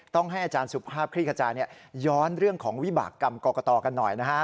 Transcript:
ให้อาจารย์สุภาพคลี่ขจายย้อนเรื่องของวิบากรรมกรกตกันหน่อยนะฮะ